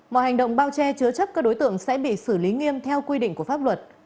mọi hành động bao che chứa chấp các đối tượng sẽ bị xử lý nghiêm theo quy định của pháp luật